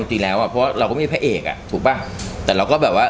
จริงแล้วอ่ะเพราะเราก็มีพระเอกอ่ะถูกป่ะแต่เราก็แบบว่า